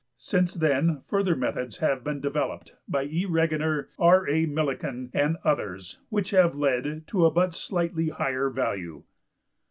Since then further methods have been developed by E.~Regener, R.~A.~Millikan, and others(20), which have led to a but slightly higher value.